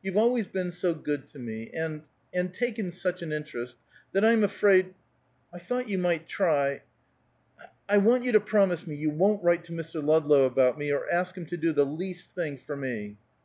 "You've always been so good to me and and taken such an interest, that I'm afraid I thought you might try I want you to promise me you won't write to Mr. Ludlow about me, or ask him to do the least thing, for me!"